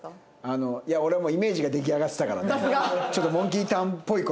あのいや俺はイメージが出来上がってたからねちょっと。